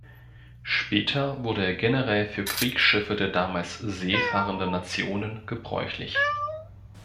Später wurde er generell für Kriegsschiffe der damals seefahrenden Nationen gebräuchlich.